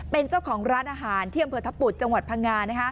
เป็นเจ้าของร้านอาหารที่อำเภอทัพบุตรจังหวัดพังงา